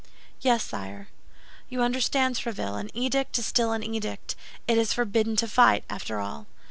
"Yes, sire." "You understand, Tréville—an edict is still an edict, it is forbidden to fight, after all."